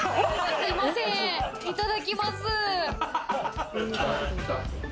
すいません、いただきます。